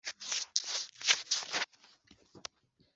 Hahirwa abakiranura kuko ari bo bazitwa abana b'Imana